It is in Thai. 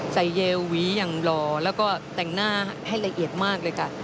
เยลหวีอย่างหล่อแล้วก็แต่งหน้าให้ละเอียดมากเลยจ้ะ